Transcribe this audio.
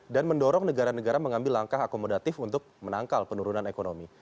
dan mendorong negara negara mengambil langkah akomodatif untuk menangkal penurunan ekonomi